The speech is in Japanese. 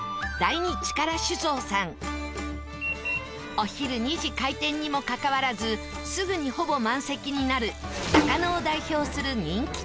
お昼２時開店にもかかわらずすぐにほぼ満席になる中野を代表する人気店。